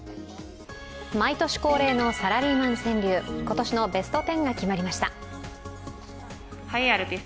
毎年恒例のサラリーマン川柳、今年のベスト１０が決まりました。